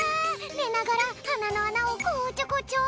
ねながらはなのあなをこちょこちょ。